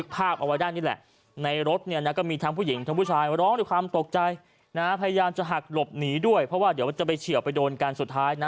เพราะว่าเดี๋ยวจะไปเฉียวไปโดนการสุดท้ายนะ